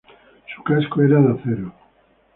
Su casco era de acero.